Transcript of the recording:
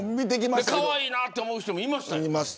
かわいいなと思う人もいました。